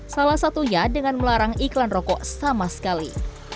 salah satunya dengan melarang iklan rokok sama sekali